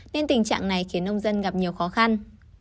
nên tình trạng này khiến nông dân gặp nhiều khó khăn